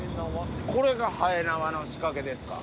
これがはえ縄の仕掛けですか？